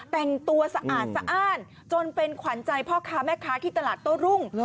แต่งตัวสะอาดสะอ้านจนเป็นขวัญใจพ่อค้าแม่ค้าที่ตลาดโต้รุ่ง